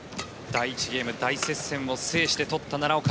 第１ゲーム大接戦を制して取った奈良岡。